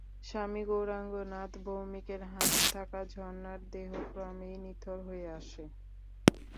স্বামী গৌরাঙ্গ নাথ ভৌমিকের হাতে থাকা ঝর্ণার দেহ ক্রমেই নিথর হয়ে আসে।